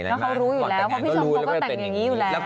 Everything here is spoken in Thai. เพราะเขารู้อยู่แล้วเพราะพี่ชมเขาก็แต่งอย่างนี้อยู่แล้ว